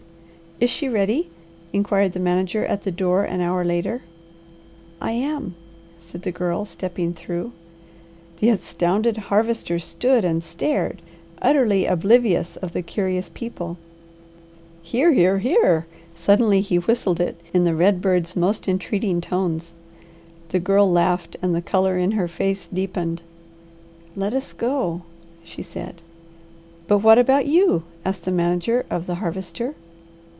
"Is she ready?" inquired the manager at the door an hour later. "I am," said the Girl stepping through. The astounded Harvester stood and stared, utterly oblivious of the curious people. "Here, here, here!" suddenly he whistled it, in the red bird's most entreating tones. The Girl laughed and the colour in her face deepened. "Let us go," she said. "But what about you?" asked the manager of the Harvester.